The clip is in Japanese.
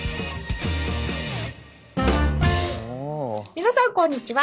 皆さんこんにちは。